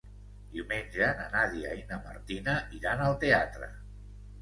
Diumenge na Nàdia i na Martina iran al teatre.